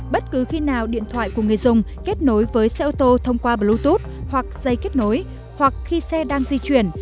bất cứ khi nào điện thoại của người dùng kết nối với xe ô tô thông qua bluetooth hoặc dây kết nối hoặc khi xe đang di chuyển